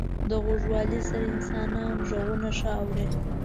• د غوږوالۍ سره انسانان ږغونه ښه اوري.